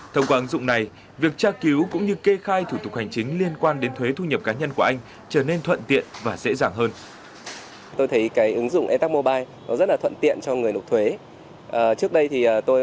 thông qua ứng dụng này việc tra cứu cũng như kê khai thủ tục hành chính liên quan đến thuế thu nhập cá nhân của anh trở nên thuận tiện và dễ dàng hơn